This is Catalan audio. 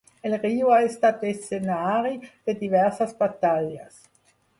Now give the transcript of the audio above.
El riu ha estat escenari de diverses batalles.